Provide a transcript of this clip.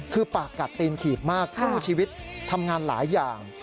คือปากกัดตีนถีบมากสู้ชีวิตทำงานหลายอย่าง